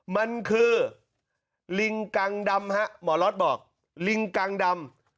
มันคือลิงกังดำฮะหมอล็อตบอกลิงกังดำ